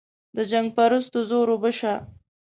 د جنګ پرستو زور اوبه شه.